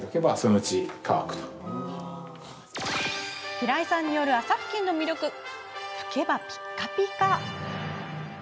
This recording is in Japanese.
平井さんによる麻ふきんの魅力拭けばピカピカ。